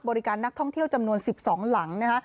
บริการนักท่องเที่ยวจำนวน๑๒หลัง